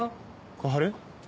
小春！